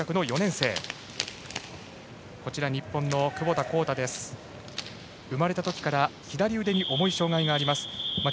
生まれたときから左腕に重い障害があります。